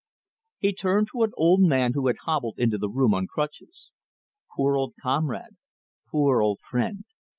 He turned to an old man who had hobbled into the room on crutches. "Poor old comrade! Poor old friend!"